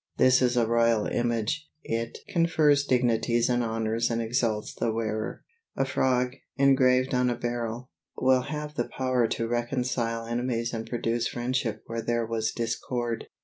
This is a royal image; it confers dignities and honors and exalts the wearer. A frog, engraved on a beryl, will have the power to reconcile enemies and produce friendship where there was discord.